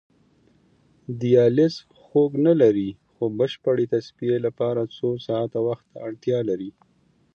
دیالیز خوږ نه لري خو بشپړې تصفیې لپاره څو ساعته وخت ته اړتیا لري.